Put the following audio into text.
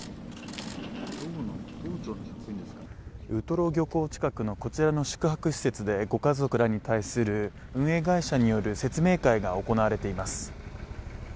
ウトロ漁港近くのこちらの宿泊施設でご家族らに対する運営会社による説明会が行われています。